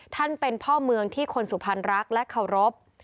ท่านเป็นพ่อเมืองที่คนสุพรรณรักและเคารพ